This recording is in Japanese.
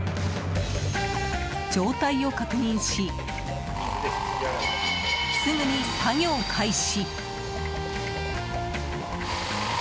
状態を確認し、すぐに作業開始。